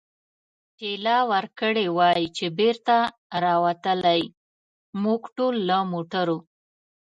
ټېله ورکړې وای، چې بېرته را وتلای، موږ ټول له موټرو.